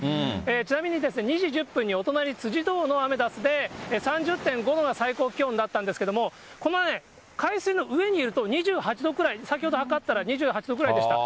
ちなみに、２時１０分にお隣、辻堂のアメダスで３０．５度が最高気温だったんですけども、この海水の上にいると、２８度くらい、先ほど測ったら、２８度ぐらいでした。